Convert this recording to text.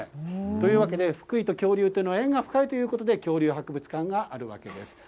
というわけで、福井と恐竜というのは縁が深いということで、恐竜博物館があるわけです。